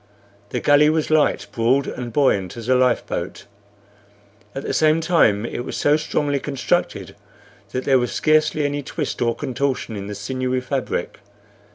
The galley was light, broad, and buoyant as a life boat; at the same time it was so strongly constructed that there was scarcely any twist or contortion in the sinewy fabric.